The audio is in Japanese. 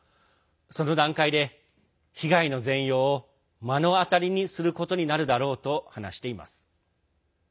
その段階で、被害の全容を目の当たりにすることになるだろうと話しています。